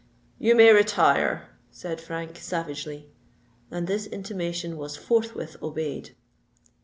"You may retire," said Frank, savagely; and this intimation was forthwith obeyed.